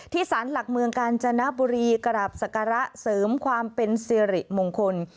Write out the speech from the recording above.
สารหลักเมืองกาญจนบุรีกราบศักระเสริมความเป็นสิริมงคล